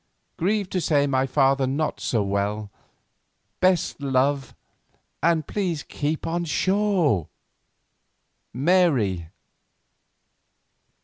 Grieved to say my father not so well. Best love, and please keep on shore. MARY."